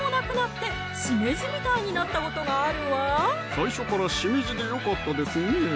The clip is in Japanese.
最初からしめじでよかったですねぇ